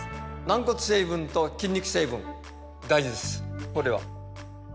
軟骨成分と筋肉成分大事です